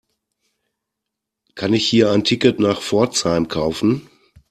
Kann ich hier ein Ticket nach Pforzheim kaufen?